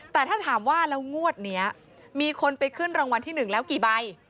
แต่ถ้าถามว่าแล้วงวดนี้มีคนไปขึ้นรางวัลที่๑แล้วกี่ใบ